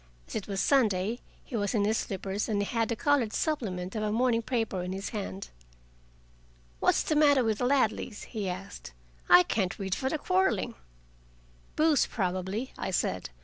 As it was Sunday, he was in his slippers and had the colored supplement of a morning paper in his hand. "What's the matter with the Ladleys?" he asked. "I can't read for their quarreling." "Booze, probably," I said.